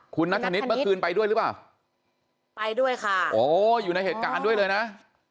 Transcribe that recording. คุณนัทธนิษฐ์เมื่อคืนไปด้วยหรือเปล่าไปด้วยค่ะโอ้อยู่ในเหตุการณ์ด้วยเลยนะ